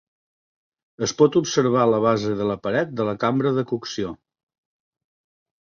Es pot observar la base de la paret de la cambra de cocció.